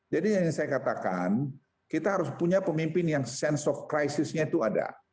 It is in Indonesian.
jadi yang saya katakan kita harus punya pemimpin yang sense of crisisnya itu ada